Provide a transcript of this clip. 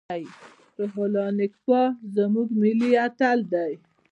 روح الله نیکپا زموږ ملي اتل دی.